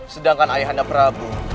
sedangkan ayah anda prabu